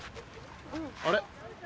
あれ？